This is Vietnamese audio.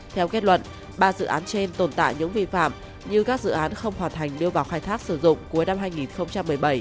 theo kết luận ba dự án trên tồn tại những vi phạm như các dự án không hoàn thành đưa vào khai thác sử dụng cuối năm hai nghìn một mươi bảy